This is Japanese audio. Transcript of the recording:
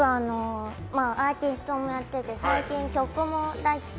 アーティストもやってて最近、曲も出して。